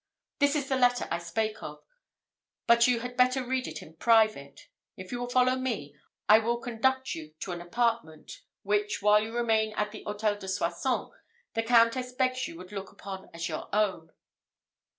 This is the letter I spake of; but you had better read it in private. If you will follow me, I will conduct you to an apartment, which, while you remain at the Hôtel de Soissons, the Countess begs you would look upon as your own."